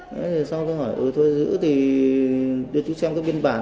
thế thì sau đó hỏi ừ thôi giữ thì đưa chú xem cái biên bản